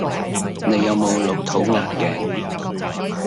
你有冇老土眼鏡?